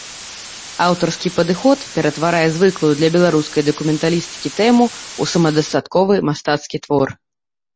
Аўтарскі падыход ператварае звыклую для беларускай дакументалістыкі тэму ў самадастатковы мастацкі твор.